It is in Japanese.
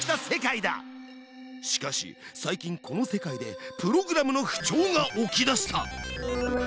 しかし最近この世界でプログラムの不調が起きだした！